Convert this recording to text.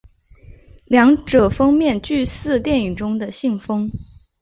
两者封面俱似电影中的信封。